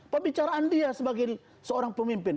pembicaraan dia sebagai seorang pemimpin